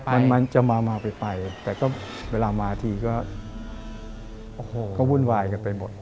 แต่เวลามาถึงที่ก็วุ่นวายไปกันไปหมด